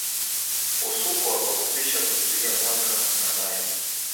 Husukwa kwa kupisha kuzuia mwanga na maji